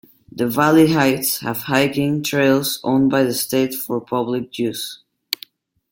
The valley heights have hiking trails owned by the state for public use.